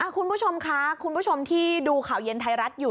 คุณผู้ชมคะคุณผู้ชมที่ดูข่าวเย็นไทยรัฐอยู่